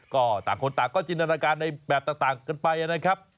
ก็ต่างคนต่างก็จินตนาการในแบบต่างกันไปนะครับ